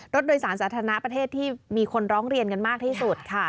รถโดยสารสาธารณะประเทศที่มีคนร้องเรียนกันมากที่สุดค่ะ